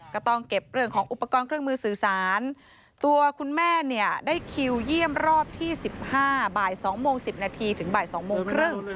ก็ต้องเก็บเรื่องของอุปกรณ์เครื่องมือสื่อสารตัวคุณแม่เนี่ยได้คิวเยี่ยมรอบที่๑๕บ่าย๒โมง๑๐นาทีถึงบ่าย๒โมงครึ่ง